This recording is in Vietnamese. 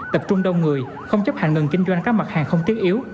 tập trung đông người không chấp hành ngừng kinh doanh các mặt hàng không thiết yếu